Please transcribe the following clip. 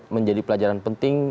menjadi pelajaran penting